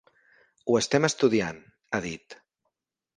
Ho estem estudiant, ha dit.